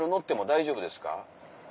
大丈夫ですか？